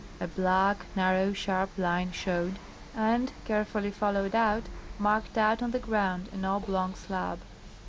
A black, narrow, sharp line showed, and, carefully followed out, marked out on the ground an oblong slab.